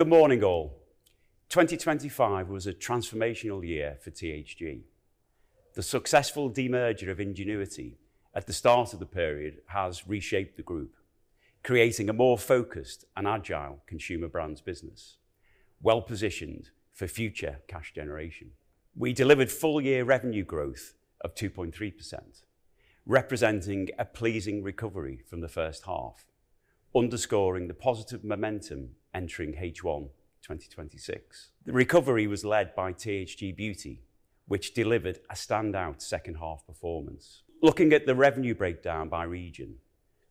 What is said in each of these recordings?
Good morning all. 2025 was a transformational year for THG. The successful demerger of Ingenuity at the start of the period has reshaped the group, creating a more focused and agile consumer brands business, well-positioned for future cash generation. We delivered full year revenue growth of 2.3%, representing a pleasing recovery from the first half, underscoring the positive momentum entering H1 2026. The recovery was led by THG Beauty, which delivered a standout second half performance. Looking at the revenue breakdown by region,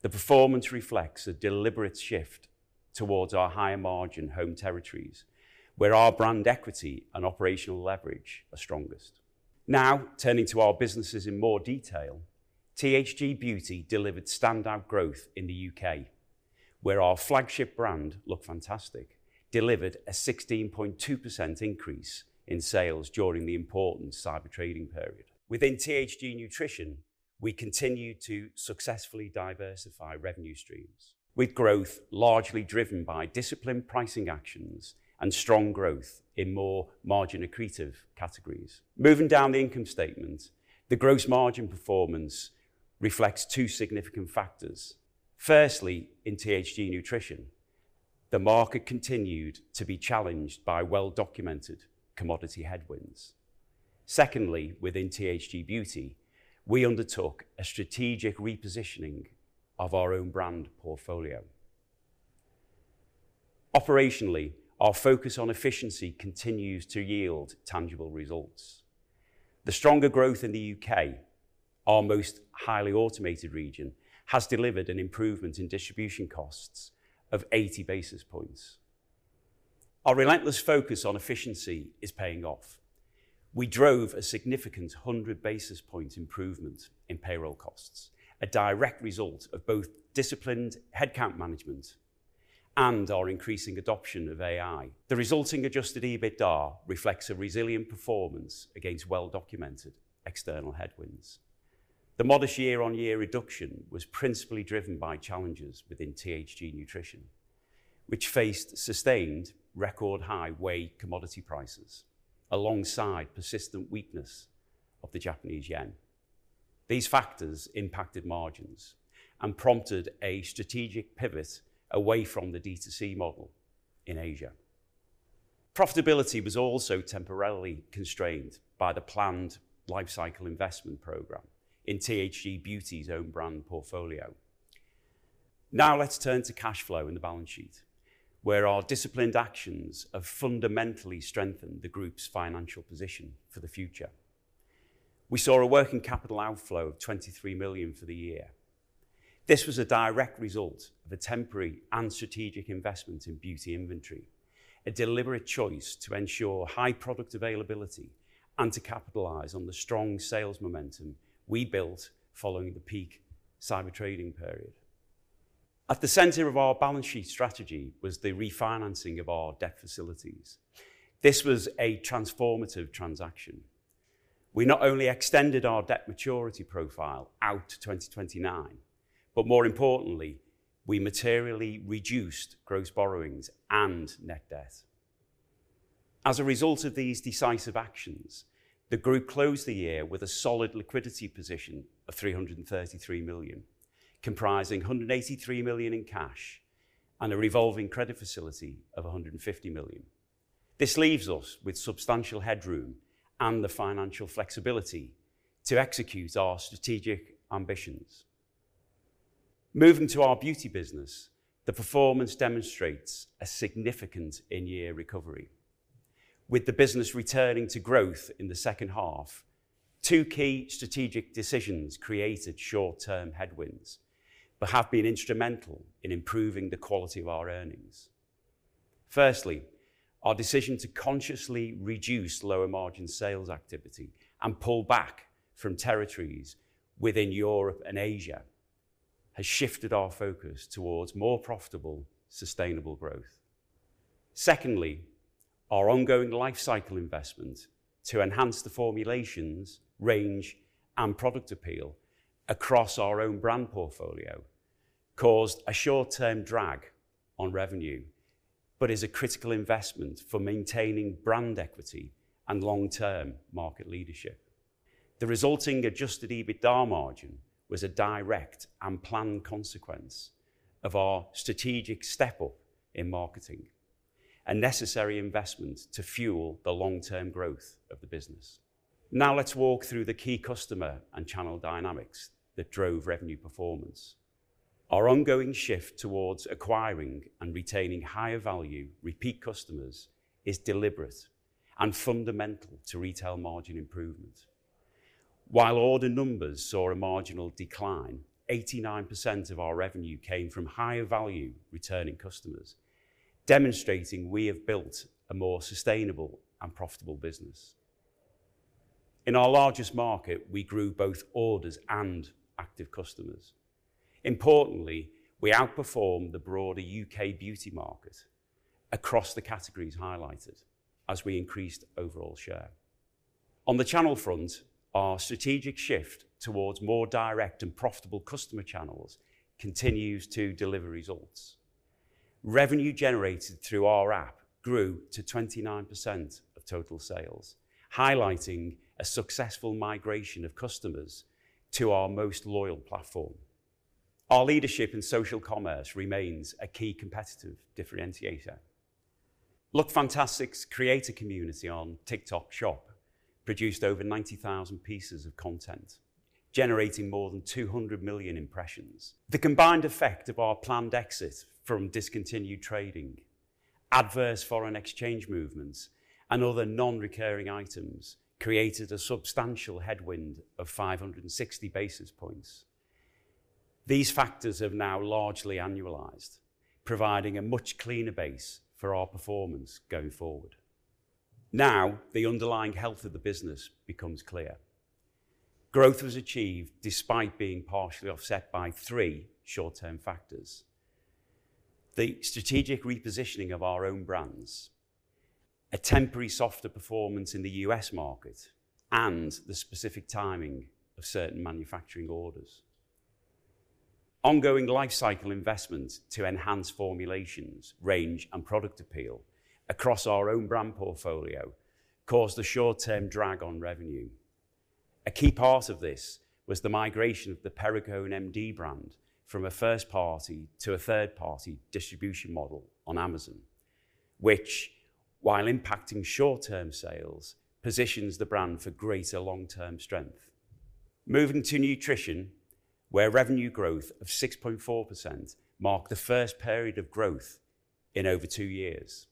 the performance reflects a deliberate shift towards our higher margin home territories, where our brand equity and operational leverage are strongest. Now, turning to our businesses in more detail. THG Beauty delivered standout growth in the U.K., where our flagship brand, Lookfantastic, delivered a 16.2% increase in sales during the important cyber trading period. Within THG Nutrition, we continued to successfully diversify revenue streams with growth largely driven by disciplined pricing actions and strong growth in more margin accretive categories. Moving down the income statement, the gross margin performance reflects two significant factors. Firstly, in THG Nutrition, the market continued to be challenged by well-documented commodity headwinds. Secondly, within THG Beauty, we undertook a strategic repositioning of our own brand portfolio. Operationally, our focus on efficiency continues to yield tangible results. The stronger growth in the U.K., our most highly automated region, has delivered an improvement in distribution costs of 80 basis points. Our relentless focus on efficiency is paying off. We drove a significant 100 basis points improvement in payroll costs, a direct result of both disciplined headcount management and our increasing adoption of AI. The resulting adjusted EBITDA reflects a resilient performance against well-documented external headwinds. The modest year-on-year reduction was principally driven by challenges within THG Nutrition, which faced sustained record high whey commodity prices alongside persistent weakness of the Japanese yen. These factors impacted margins and prompted a strategic pivot away from the D2C model in Asia. Profitability was also temporarily constrained by the planned lifecycle investment program in THG Beauty's own brand portfolio. Now let's turn to cash flow and the balance sheet, where our disciplined actions have fundamentally strengthened the group's financial position for the future. We saw a working capital outflow of 23 million for the year. This was a direct result of a temporary and strategic investment in beauty inventory, a deliberate choice to ensure high product availability and to capitalize on the strong sales momentum we built following the peak cyber trading period. At the center of our balance sheet strategy was the refinancing of our debt facilities. This was a transformative transaction. We not only extended our debt maturity profile out to 2029, but more importantly, we materially reduced gross borrowings and net debt. As a result of these decisive actions, the group closed the year with a solid liquidity position of 333 million, comprising 183 million in cash and a revolving credit facility of 150 million. This leaves us with substantial headroom and the financial flexibility to execute our strategic ambitions. Moving to our beauty business, the performance demonstrates a significant in-year recovery. With the business returning to growth in the second half, two key strategic decisions created short-term headwinds but have been instrumental in improving the quality of our earnings. Firstly, our decision to consciously reduce lower margin sales activity and pull back from territories within Europe and Asia has shifted our focus towards more profitable, sustainable growth. Secondly, our ongoing lifecycle investment to enhance the formulations, range, and product appeal across our own brand portfolio caused a short-term drag on revenue but is a critical investment for maintaining brand equity and long-term market leadership. The resulting adjusted EBITDA margin was a direct and planned consequence of our strategic step up in marketing, a necessary investment to fuel the long-term growth of the business. Now let's walk through the key customer and channel dynamics that drove revenue performance. Our ongoing shift towards acquiring and retaining higher value repeat customers is deliberate and fundamental to retail margin improvement. While order numbers saw a marginal decline, 89% of our revenue came from higher value returning customers, demonstrating we have built a more sustainable and profitable business. In our largest market, we grew both orders and active customers. Importantly, we outperformed the broader U.K. beauty market across the categories highlighted as we increased overall share. On the channel front, our strategic shift towards more direct and profitable customer channels continues to deliver results. Revenue generated through our app grew to 29% of total sales, highlighting a successful migration of customers to our most loyal platform. Our leadership in social commerce remains a key competitive differentiator. Lookfantastic's creator community on TikTok Shop produced over 90,000 pieces of content, generating more than 200 million impressions. The combined effect of our planned exit from discontinued trading, adverse foreign exchange movements, and other non-recurring items created a substantial headwind of 560 basis points. These factors have now largely annualized, providing a much cleaner base for our performance going forward. Now the underlying health of the business becomes clear. Growth was achieved despite being partially offset by three short-term factors, the strategic repositioning of our own brands, a temporary softer performance in the U.S. market, and the specific timing of certain manufacturing orders. Ongoing lifecycle investments to enhance formulations, range, and product appeal across our own brand portfolio caused a short-term drag on revenue. A key part of this was the migration of the Perricone MD brand from a first-party to a third-party distribution model on Amazon, which, while impacting short-term sales, positions the brand for greater long-term strength. Moving to Nutrition, where revenue growth of 6.4% marked the first period of growth in over two years.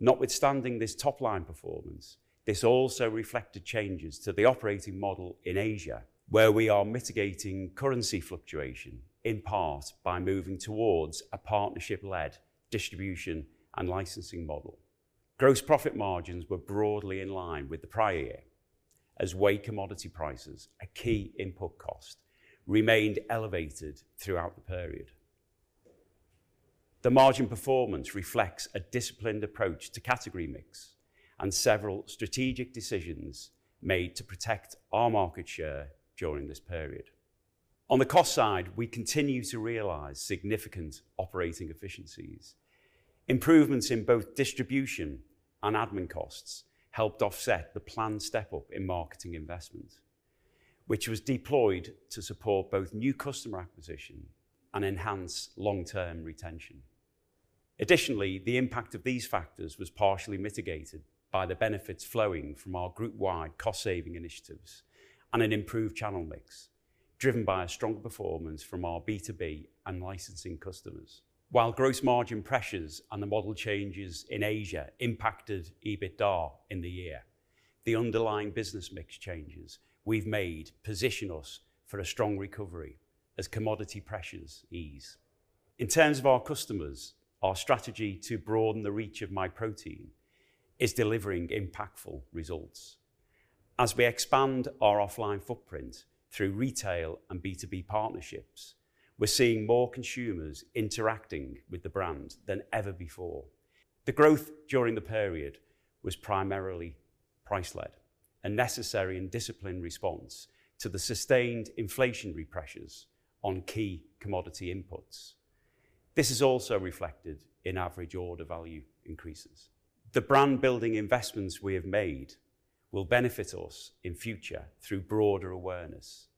Notwithstanding this top-line performance, this also reflected changes to the operating model in Asia, where we are mitigating currency fluctuation, in part by moving towards a partnership-led distribution and licensing model. Gross profit margins were broadly in line with the prior year as whey commodity prices, a key input cost, remained elevated throughout the period. The margin performance reflects a disciplined approach to category mix and several strategic decisions made to protect our market share during this period. On the cost side, we continue to realize significant operating efficiencies. Improvements in both distribution and admin costs helped offset the planned step up in marketing investments, which was deployed to support both new customer acquisition and enhance long-term retention. Additionally, the impact of these factors was partially mitigated by the benefits flowing from our group-wide cost-saving initiatives and an improved channel mix driven by a stronger performance from our B2B and licensing customers. While gross margin pressures on the model changes in Asia impacted EBITDA in the year, the underlying business mix changes we've made position us for a strong recovery as commodity pressures ease. In terms of our customers, our strategy to broaden the reach of Myprotein is delivering impactful results. As we expand our offline footprint through retail and B2B partnerships, we're seeing more consumers interacting with the brand than ever before. The growth during the period was primarily price-led, a necessary and disciplined response to the sustained inflationary pressures on key commodity inputs. This is also reflected in average order value increases. The brand building investments we have made will benefit us in future through broader awareness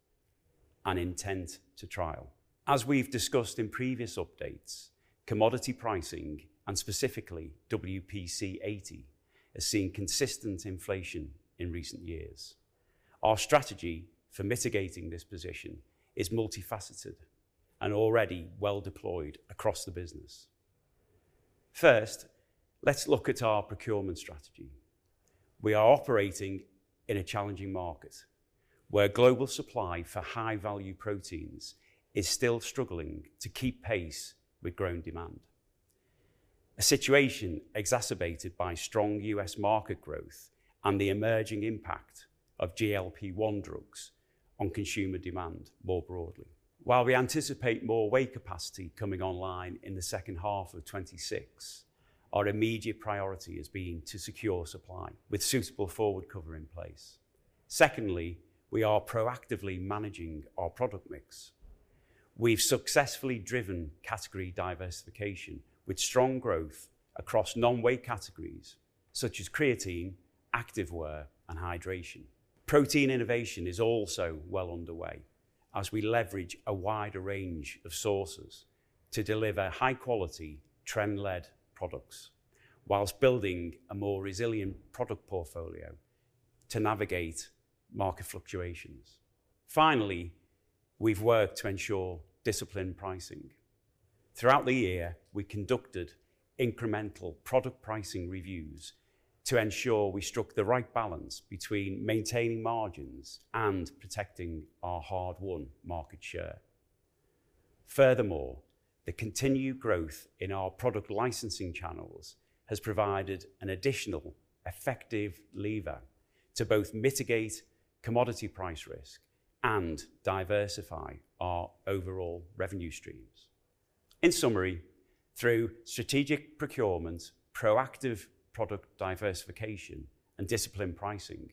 and intent to trial. As we've discussed in previous updates, commodity pricing and specifically WPC 80 has seen consistent inflation in recent years. Our strategy for mitigating this position is multifaceted and already well deployed across the business. First, let's look at our procurement strategy. We are operating in a challenging market where global supply for high-value proteins is still struggling to keep pace with growing demand. A situation exacerbated by strong U.S. market growth and the emerging impact of GLP-1 drugs on consumer demand more broadly. While we anticipate more whey capacity coming online in the second half of 2026, our immediate priority has been to secure supply with suitable forward cover in place. Secondly, we are proactively managing our product mix. We've successfully driven category diversification with strong growth across non-whey categories such as creatine, active wear, and hydration. Protein innovation is also well underway as we leverage a wider range of sources to deliver high quality trend-led products while building a more resilient product portfolio to navigate market fluctuations. Finally, we've worked to ensure disciplined pricing. Throughout the year, we conducted incremental product pricing reviews to ensure we struck the right balance between maintaining margins and protecting our hard-won market share. Furthermore, the continued growth in our product licensing channels has provided an additional effective lever to both mitigate commodity price risk and diversify our overall revenue streams. In summary, through strategic procurement, proactive product diversification, and disciplined pricing,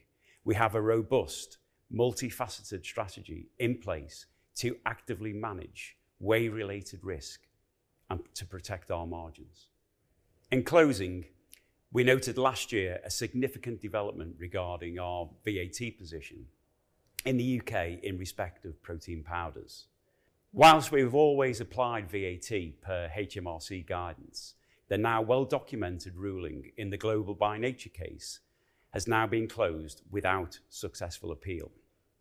we have a robust multifaceted strategy in place to actively manage whey related risk and to protect our margins. In closing, we noted last year a significant development regarding our VAT position in the U.K. in respect of protein powders. While we have always applied VAT per HMRC guidance, the now well-documented ruling in the Global by Nature case has now been closed without successful appeal.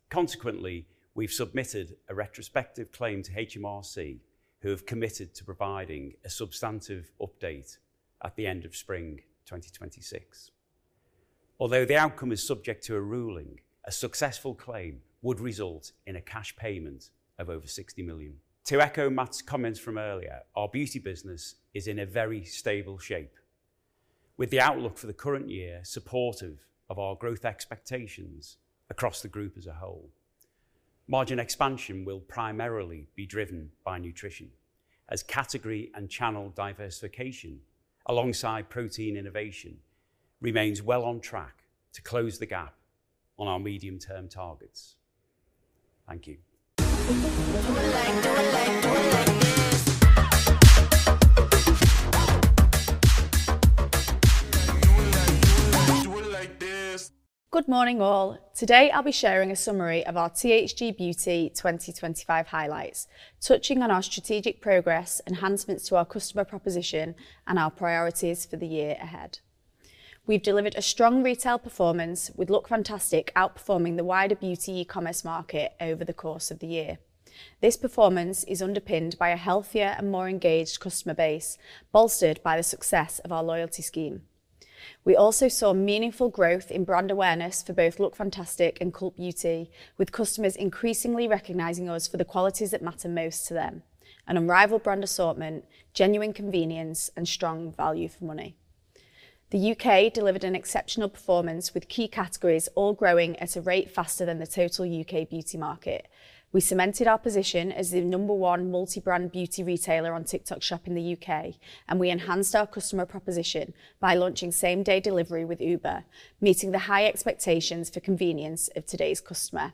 Consequently, we've submitted a retrospective claim to HMRC, who have committed to providing a substantive update at the end of spring 2026. Although the outcome is subject to a ruling, a successful claim would result in a cash payment of over 60 million. To echo Matt's comments from earlier, our beauty business is in a very stable shape with the outlook for the current year supportive of our growth expectations across the group as a whole. Margin expansion will primarily be driven by Nutrition as category and channel diversification alongside protein innovation remains well on track to close the gap on our medium-term targets. Thank you. Good morning, all. Today, I'll be sharing a summary of our THG Beauty 2025 highlights, touching on our strategic progress, enhancements to our customer proposition, and our priorities for the year ahead. We've delivered a strong retail performance with Lookfantastic outperforming the wider beauty commerce market over the course of the year. This performance is underpinned by a healthier and more engaged customer base, bolstered by the success of our loyalty scheme. We also saw meaningful growth in brand awareness for both Lookfantastic and Cult Beauty, with customers increasingly recognizing us for the qualities that matter most to them, an unrivaled brand assortment, genuine convenience, and strong value for money. The U.K. delivered an exceptional performance with key categories all growing at a rate faster than the total U.K. beauty market. We cemented our position as the number one multi-brand beauty retailer on TikTok Shop in the U.K., and we enhanced our customer proposition by launching same-day delivery with Uber, meeting the high expectations for convenience of today's customer.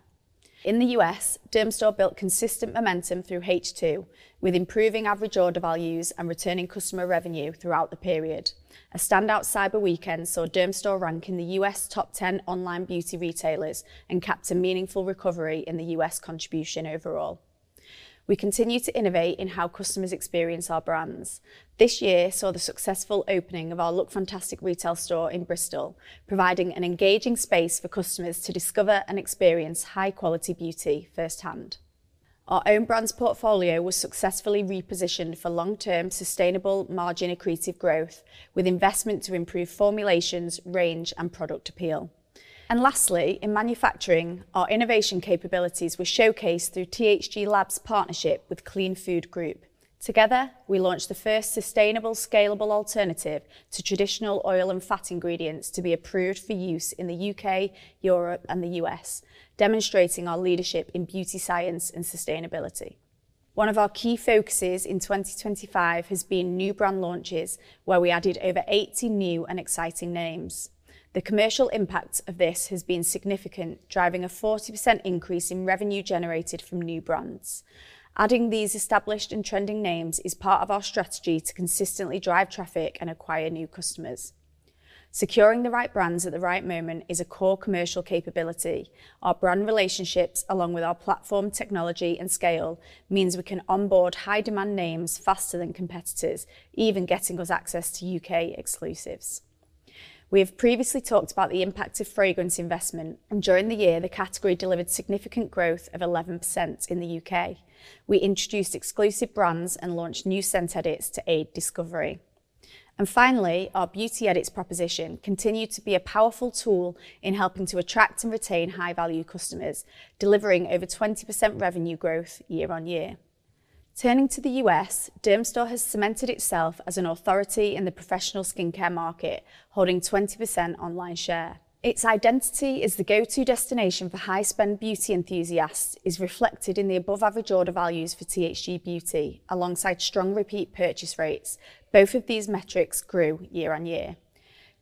In the U.S., Dermstore built consistent momentum through H2 with improving average order values and returning customer revenue throughout the period. A standout cyber weekend saw Dermstore rank in the U.S. top 10 online beauty retailers and capped a meaningful recovery in the U.S. contribution overall. We continue to innovate in how customers experience our brands. This year saw the successful opening of our Lookfantastic retail store in Bristol, providing an engaging space for customers to discover and experience high-quality beauty firsthand. Our own brand's portfolio was successfully repositioned for long-term sustainable margin accretive growth with investment to improve formulations, range, and product appeal. Lastly, in manufacturing, our innovation capabilities were showcased through THG Labs partnership with Clean Food Group. Together, we launched the first sustainable scalable alternative to traditional oil and fat ingredients to be approved for use in the U.K., Europe, and the U.S., demonstrating our leadership in beauty science and sustainability. One of our key focuses in 2025 has been new brand launches, where we added over 80 new and exciting names. The commercial impact of this has been significant, driving a 40% increase in revenue generated from new brands. Adding these established and trending names is part of our strategy to consistently drive traffic and acquire new customers. Securing the right brands at the right moment is a core commercial capability. Our brand relationships along with our platform technology and scale means we can onboard high-demand names faster than competitors, even getting us access to U.K. exclusives. We have previously talked about the impact of fragrance investment, and during the year, the category delivered significant growth of 11% in the U.K. We introduced exclusive brands and launched new scent edits to aid discovery. Finally, our beauty edits proposition continued to be a powerful tool in helping to attract and retain high-value customers, delivering over 20% revenue growth year-over-year. Turning to the U.S., Dermstore has cemented itself as an authority in the professional skincare market, holding 20% online share. Its identity as the go-to destination for high-spend beauty enthusiasts is reflected in the above-average order values for THG Beauty alongside strong repeat purchase rates. Both of these metrics grew year-over-year.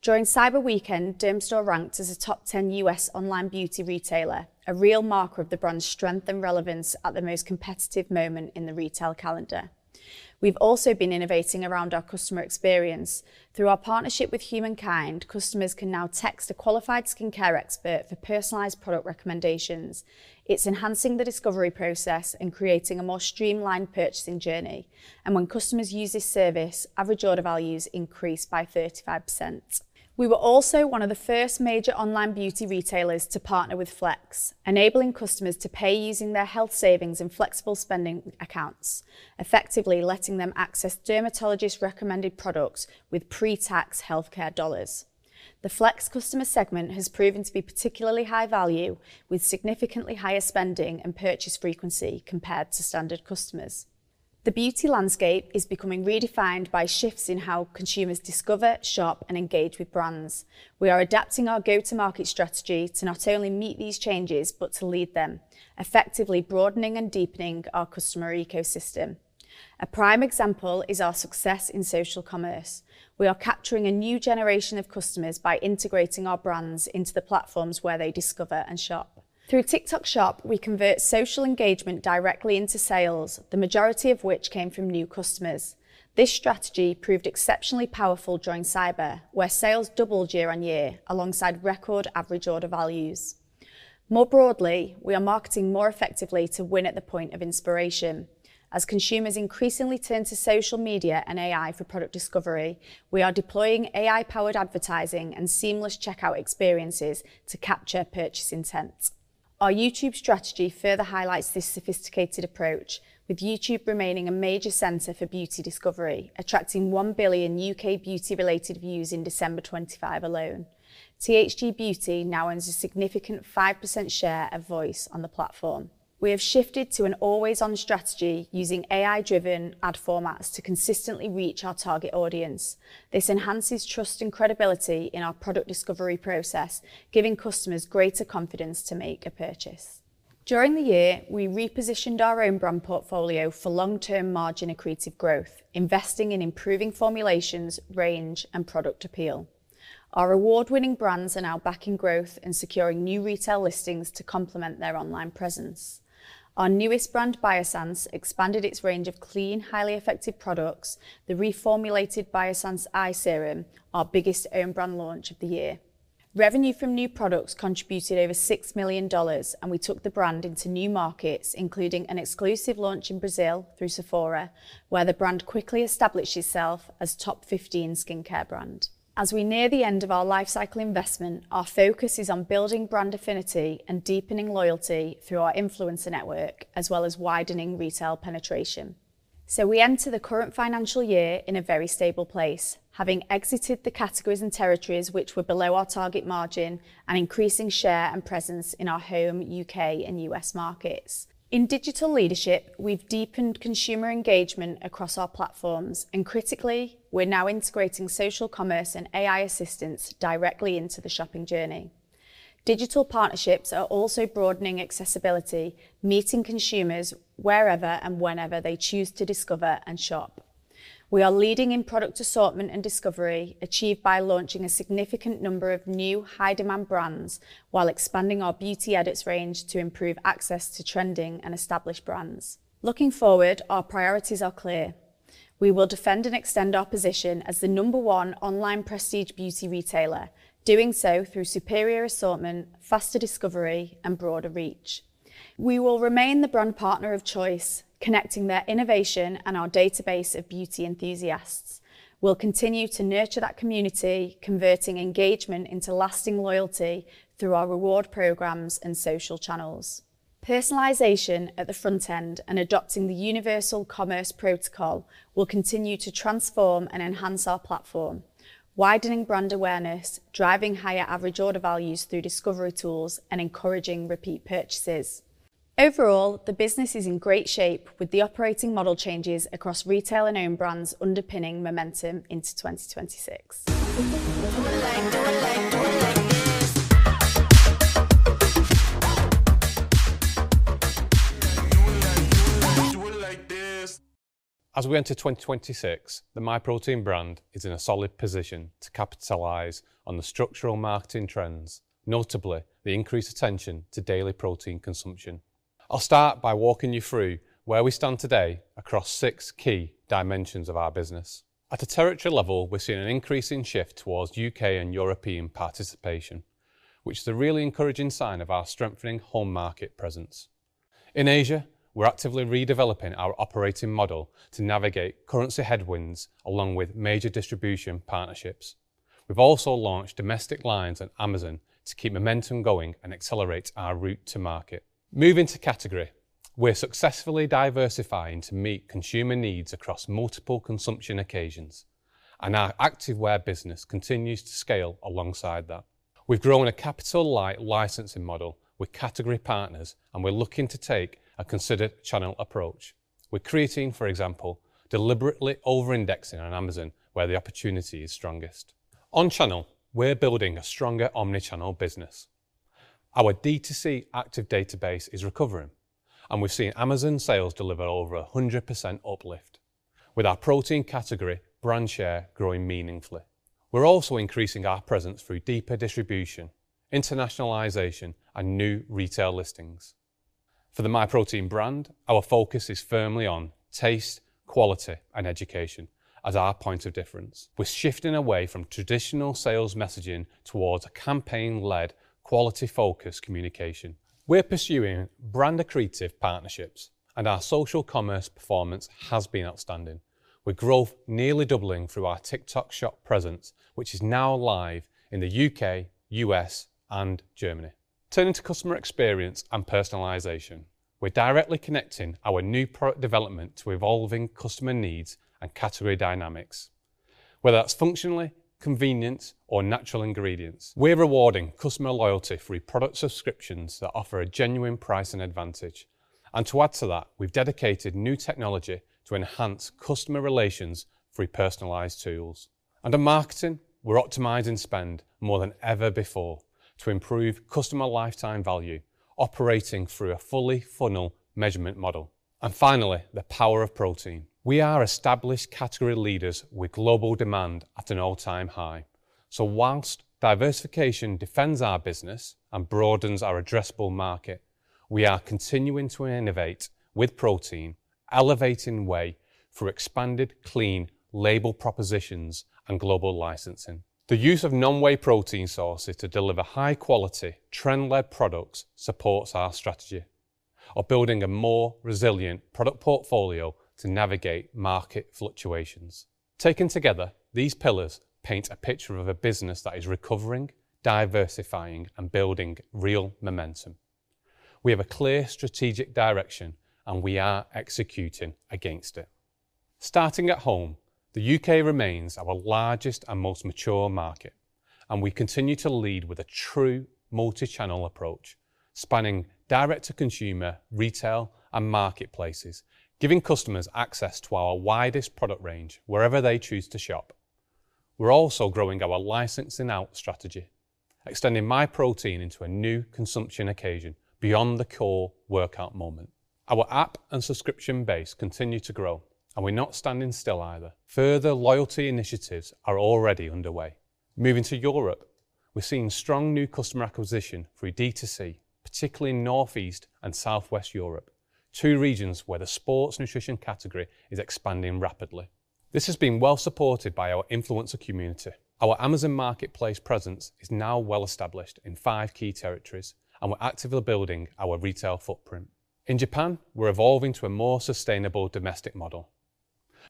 During Cyber Weekend, Dermstore ranked as a top 10 U.S. online beauty retailer, a real marker of the brand's strength and relevance at the most competitive moment in the retail calendar. We've also been innovating around our customer experience. Through our partnership with by Humankind, customers can now text a qualified skincare expert for personalized product recommendations. It's enhancing the discovery process and creating a more streamlined purchasing journey. When customers use this service, average order values increase by 35%. We were also one of the first major online beauty retailers to partner with Flex, enabling customers to pay using their health savings and flexible spending accounts, effectively letting them access dermatologist-recommended products with pre-tax healthcare dollars. The Flex customer segment has proven to be particularly high value with significantly higher spending and purchase frequency compared to standard customers. The beauty landscape is becoming redefined by shifts in how consumers discover, shop, and engage with brands. We are adapting our go-to-market strategy to not only meet these changes, but to lead them, effectively broadening and deepening our customer ecosystem. A prime example is our success in social commerce. We are capturing a new generation of customers by integrating our brands into the platforms where they discover and shop. Through TikTok Shop, we convert social engagement directly into sales, the majority of which came from new customers. This strategy proved exceptionally powerful during Cyber, where sales doubled year-on-year alongside record average order values. More broadly, we are marketing more effectively to win at the point of inspiration. As consumers increasingly turn to social media and AI for product discovery, we are deploying AI-powered advertising and seamless checkout experiences to capture purchase intent. Our YouTube strategy further highlights this sophisticated approach, with YouTube remaining a major center for beauty discovery, attracting 1 billion U.K. beauty-related views in December 2025 alone. THG Beauty now owns a significant 5% share of voice on the platform. We have shifted to an always-on strategy using AI-driven ad formats to consistently reach our target audience. This enhances trust and credibility in our product discovery process, giving customers greater confidence to make a purchase. During the year, we repositioned our own brand portfolio for long-term margin accretive growth, investing in improving formulations, range, and product appeal. Our award-winning brands are now back in growth and securing new retail listings to complement their online presence. Our newest brand, Biossance, expanded its range of clean, highly effective products, the reformulated Biossance Eye Serum, our biggest own brand launch of the year. Revenue from new products contributed over $6 million, and we took the brand into new markets, including an exclusive launch in Brazil through Sephora, where the brand quickly established itself as top 15 skincare brand. As we near the end of our lifecycle investment, our focus is on building brand affinity and deepening loyalty through our influencer network, as well as widening retail penetration. We enter the current financial year in a very stable place, having exited the categories and territories which were below our target margin and increasing share and presence in our home U.K. and U.S. markets. In digital leadership, we've deepened consumer engagement across our platforms, and critically, we're now integrating social commerce and AI assistance directly into the shopping journey. Digital partnerships are also broadening accessibility, meeting consumers wherever and whenever they choose to discover and shop. We are leading in product assortment and discovery, achieved by launching a significant number of new high-demand brands while expanding our beauty edits range to improve access to trending and established brands. Looking forward, our priorities are clear. We will defend and extend our position as the number one online prestige beauty retailer, doing so through superior assortment, faster discovery, and broader reach. We will remain the brand partner of choice connecting their innovation and our database of beauty enthusiasts. We'll continue to nurture that community, converting engagement into lasting loyalty through our reward programs and social channels. Personalization at the front end and adopting the Universal Commerce Protocol will continue to transform and enhance our platform, widening brand awareness, driving higher average order values through discovery tools, and encouraging repeat purchases. Overall, the business is in great shape with the operating model changes across retail and own brands underpinning momentum into 2026. As we enter 2026, the Myprotein brand is in a solid position to capitalize on the structural marketing trends, notably the increased attention to daily protein consumption. I'll start by walking you through where we stand today across six key dimensions of our business. At a territory level, we're seeing an increasing shift towards U.K. and European participation, which is a really encouraging sign of our strengthening home market presence. In Asia, we're actively redeveloping our operating model to navigate currency headwinds along with major distribution partnerships. We've also launched domestic lines on Amazon to keep momentum going and accelerate our route to market. Moving to category, we're successfully diversifying to meet consumer needs across multiple consumption occasions, and our active wear business continues to scale alongside that. We've grown a capital light licensing model with category partners, and we're looking to take a considered channel approach. We're creating, for example, deliberately over-indexing on Amazon, where the opportunity is strongest. On channel, we're building a stronger omni-channel business. Our D2C active database is recovering, and we've seen Amazon sales deliver over 100% uplift with our protein category brand share growing meaningfully. We're also increasing our presence through deeper distribution, internationalization, and new retail listings. For the Myprotein brand, our focus is firmly on taste, quality, and education as our point of difference. We're shifting away from traditional sales messaging towards a campaign-led quality focus communication. We're pursuing brand accretive partnerships and our social commerce performance has been outstanding with growth nearly doubling through our TikTok Shop presence, which is now live in the U.K., U.S., and Germany. Turning to customer experience and personalization, we're directly connecting our new product development to evolving customer needs and category dynamics. Whether that's functionality, convenience, or natural ingredients, we're rewarding customer loyalty through product subscriptions that offer a genuine price advantage. To add to that, we've dedicated new technology to enhance customer relations through personalized tools. Under marketing, we're optimizing spend more than ever before to improve customer lifetime value, operating through a full-funnel measurement model. Finally, the power of protein. We are established category leaders with global demand at an all-time high. While diversification defends our business and broadens our addressable market, we are continuing to innovate with protein, elevating whey through expanded clean label propositions and global licensing. The use of non-whey protein sources to deliver high-quality, trend-led products supports our strategy of building a more resilient product portfolio to navigate market fluctuations. Taken together, these pillars paint a picture of a business that is recovering, diversifying, and building real momentum. We have a clear strategic direction, and we are executing against it. Starting at home, the U.K. remains our largest and most mature market, and we continue to lead with a true multi-channel approach, spanning direct to consumer, retail, and marketplaces, giving customers access to our widest product range wherever they choose to shop. We're also growing our licensing out strategy, extending Myprotein into a new consumption occasion beyond the core workout moment. Our app and subscription base continue to grow, and we're not standing still either. Further loyalty initiatives are already underway. Moving to Europe, we're seeing strong new customer acquisition through D2C, particularly in Northeast and Southwest Europe, two regions where the sports nutrition category is expanding rapidly. This has been well supported by our influencer community. Our Amazon Marketplace presence is now well established in five key territories, and we're actively building our retail footprint. In Japan, we're evolving to a more sustainable domestic model.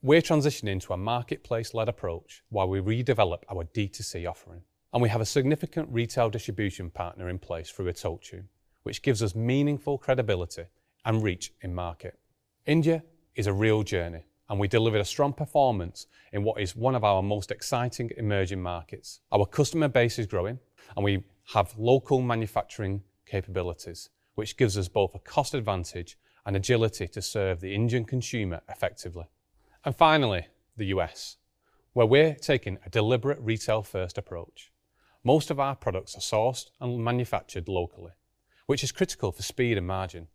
We're transitioning to a marketplace-led approach while we redevelop our D2C offering, and we have a significant retail distribution partner in place through ITOCHU, which gives us meaningful credibility and reach in market. India is a real journey, and we delivered a strong performance in what is one of our most exciting emerging markets. Our customer base is growing, and we have local manufacturing capabilities, which gives us both a cost advantage and agility to serve the Indian consumer effectively. Finally, the U.S., where we're taking a deliberate retail-first approach. Most of our products are sourced and manufactured locally, which is critical for speed and margin.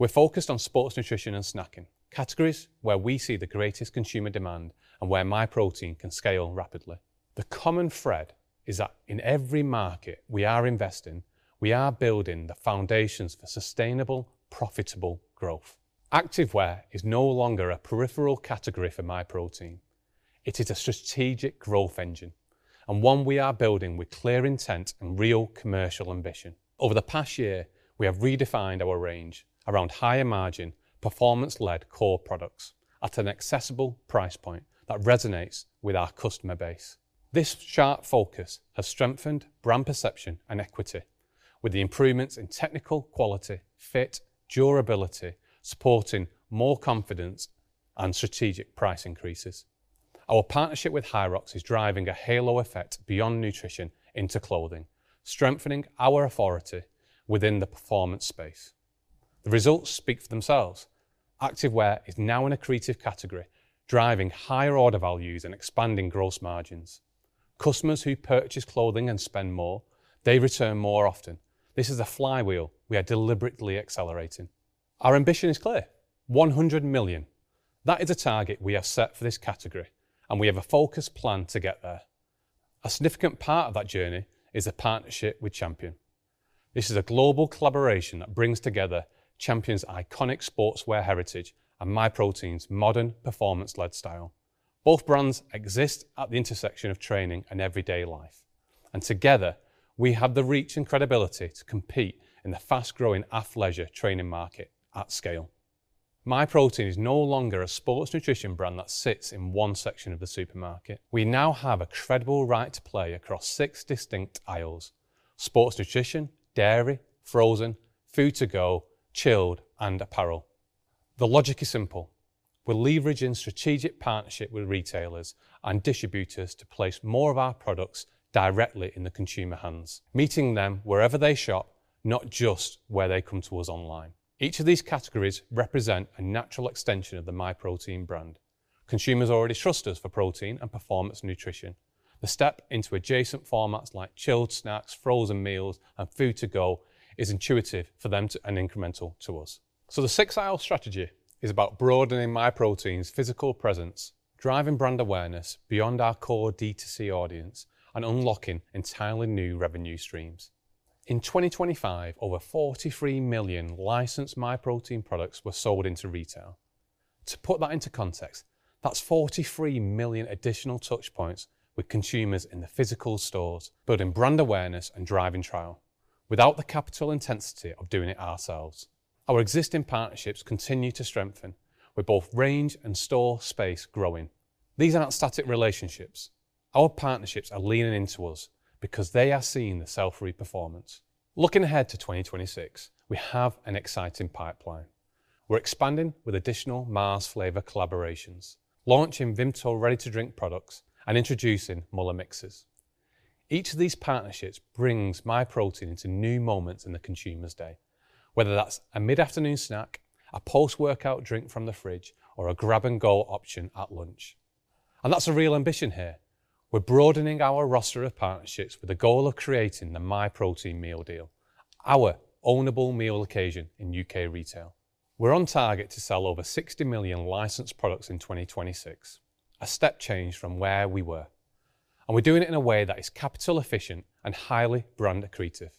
We're focused on sports nutrition and snacking, categories where we see the greatest consumer demand and where Myprotein can scale rapidly. The common thread is that in every market we are investing, we are building the foundations for sustainable, profitable growth. Activewear is no longer a peripheral category for Myprotein. It is a strategic growth engine and one we are building with clear intent and real commercial ambition. Over the past year, we have redefined our range around higher margin, performance-led core products at an accessible price point that resonates with our customer base. This sharp focus has strengthened brand perception and equity with the improvements in technical quality, fit, durability, supporting more confidence and strategic price increases. Our partnership with HYROX is driving a halo effect beyond nutrition into clothing, strengthening our authority within the performance space. The results speak for themselves. Activewear is now an accretive category, driving higher order values and expanding gross margins. Customers who purchase clothing and spend more, they return more often. This is a flywheel we are deliberately accelerating. Our ambition is clear. 100 million. That is a target we have set for this category, and we have a focused plan to get there. A significant part of that journey is a partnership with Champion. This is a global collaboration that brings together Champion's iconic sportswear heritage and Myprotein's modern, performance-led style. Both brands exist at the intersection of training and everyday life. Together, we have the reach and credibility to compete in the fast-growing athleisure training market at scale. Myprotein is no longer a sports nutrition brand that sits in one section of the supermarket. We now have a credible right to play across six distinct aisles: sports nutrition, dairy, frozen, food to go, chilled, and apparel. The logic is simple. We're leveraging strategic partnership with retailers and distributors to place more of our products directly in the consumer hands, meeting them wherever they shop, not just where they come to us online. Each of these categories represent a natural extension of the Myprotein brand. Consumers already trust us for protein and performance nutrition. The step into adjacent formats like chilled snacks, frozen meals, and food to go is intuitive for them to and incremental to us. The six-aisle strategy is about broadening Myprotein's physical presence, driving brand awareness beyond our core D2C audience, and unlocking entirely new revenue streams. In 2025, over 43 million licensed Myprotein products were sold into retail. To put that into context, that's 43 million additional touch points with consumers in the physical stores, building brand awareness and driving trial without the capital intensity of doing it ourselves. Our existing partnerships continue to strengthen with both range and store space growing. These aren't static relationships. Our partnerships are leaning into us because they are seeing the Selfridges performance. Looking ahead to 2026, we have an exciting pipeline. We're expanding with additional Mars flavor collaborations, launching Vimto ready-to-drink products, and introducing Müller Mixes. Each of these partnerships brings Myprotein into new moments in the consumer's day, whether that's a mid-afternoon snack, a post-workout drink from the fridge, or a grab-and-go option at lunch. That's the real ambition here. We're broadening our roster of partnerships with the goal of creating the Myprotein meal deal, our ownable meal occasion in U.K. retail. We're on target to sell over 60 million licensed products in 2026, a step change from where we were, and we're doing it in a way that is capital efficient and highly brand accretive.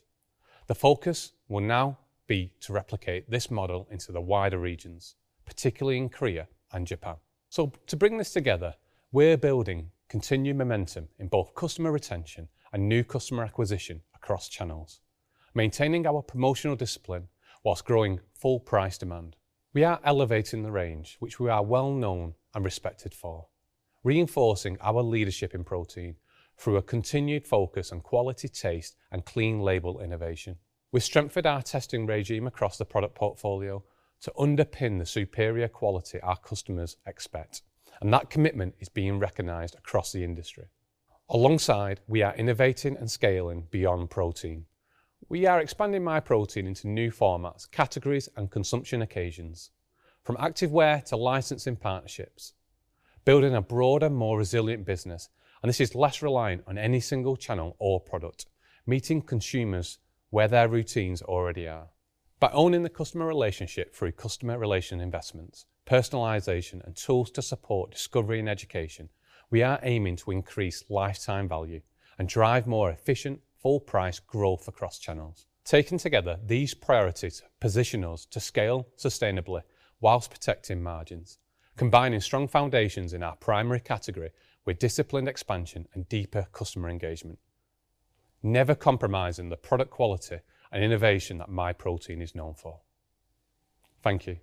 The focus will now be to replicate this model into the wider regions, particularly in Korea and Japan. To bring this together, we're building continued momentum in both customer retention and new customer acquisition across channels, maintaining our promotional discipline while growing full price demand. We are elevating the range which we are well known and respected for, reinforcing our leadership in protein through a continued focus on quality, taste, and clean label innovation. We've strengthened our testing regime across the product portfolio to underpin the superior quality our customers expect, and that commitment is being recognized across the industry. Alongside, we are innovating and scaling beyond protein. We are expanding Myprotein into new formats, categories, and consumption occasions from activewear to licensing partnerships, building a broader, more resilient business, and this is less reliant on any single channel or product, meeting consumers where their routines already are. By owning the customer relationship through customer relation investments, personalization, and tools to support discovery and education, we are aiming to increase lifetime value and drive more efficient full price growth across channels. Taken together, these priorities position us to scale sustainably while protecting margins, combining strong foundations in our primary category with disciplined expansion and deeper customer engagement, never compromising the product quality and innovation that Myprotein is known for. Thank you.